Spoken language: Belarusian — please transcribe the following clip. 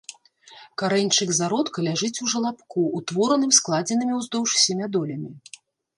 Карэньчык зародка ляжыць у жалабку, утвораным складзенымі ўздоўж семядолямі.